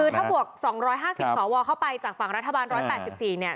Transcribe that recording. คือถ้าบวก๒๕๐สวเข้าไปจากฝั่งรัฐบาล๑๘๔เนี่ย